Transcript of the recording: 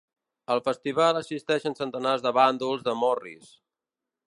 Al festival assisteixen centenars de bàndols de Morris.